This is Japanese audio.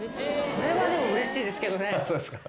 それはでもうれしいですけどね。